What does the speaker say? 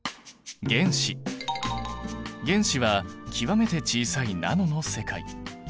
原子は極めて小さいナノの世界。